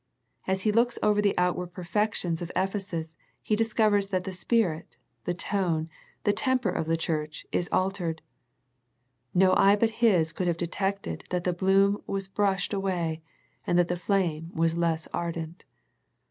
As He looks over the outward perfections of Ephesus He dis covers that the spirit, the tone, the temper of the church is altered. No eye but His could have detected that the bloom was brushed away, and that the flame was less ardent.